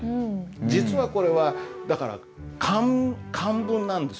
実はこれはだから漢文なんですよ。